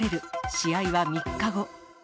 試合は３日後。